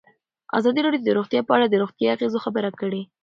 ازادي راډیو د روغتیا په اړه د روغتیایي اغېزو خبره کړې.